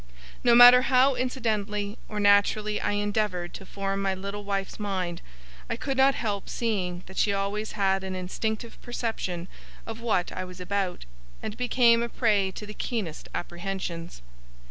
No matter how incidentally or naturally I endeavoured to form my little wife's mind, I could not help seeing that she always had an instinctive perception of what I was about, and became a prey to the keenest apprehensions.